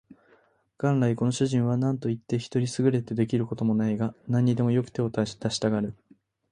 元来この主人は何といって人に優れて出来る事もないが、何にでもよく手を出したがる